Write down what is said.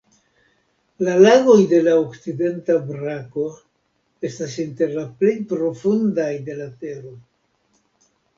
La lagoj de la okcidenta brako estas inter la plej profundaj de la Tero.